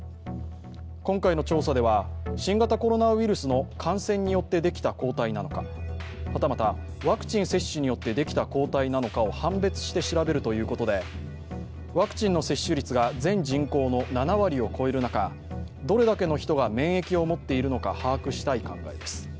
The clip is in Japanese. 今回の調査では、新型コロナウイルスの感染によってできた抗体なのか、はたまたワクチン接種によってできた抗体なのかを判別して調べるということでワクチンの接種率が全人口の７割を超える中どれだけの人が免疫を持っているのか把握したい考えです。